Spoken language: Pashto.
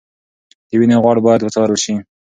د وینې غوړ باید وڅارل شي.